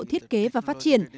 thiết kế và phát triển